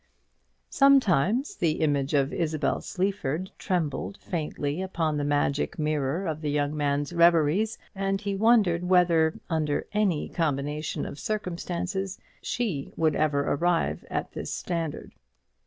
Sometimes the image of Isabel Sleaford trembled faintly upon the magic mirror of the young man's reveries, and he wondered whether, under any combination of circumstances, she would ever arrive at this standard.